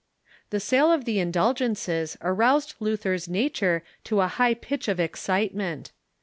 The sale of the indulgences aroused Luther's nature to a high pitch of excitement.